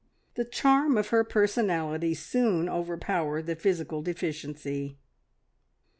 The charm of her personality soon overpowered the physical deficiency.